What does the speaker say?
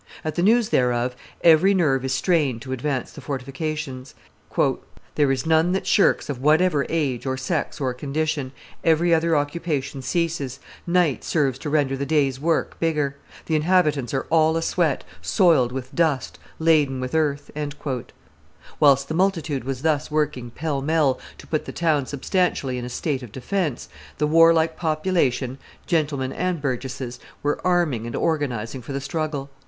"At the news thereof, every nerve is strained to advance the fortifications "there is none that shirks, of whatever age, or sex, or condition; every other occupation ceases; night serves to render the day's work bigger; the inhabitants are all a sweat, soiled with dust, laden with earth." Whilst the multitude was thus working pell mell to put the town substantially in a state of defence, the warlike population, gentlemen and burgesses, were arming and organizing for the struggle.